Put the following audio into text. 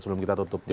sebelum kita tutup